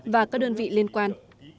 và các đơn vị liên quan